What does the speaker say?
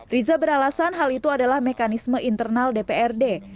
riza beralasan hal itu adalah mekanisme internal dprd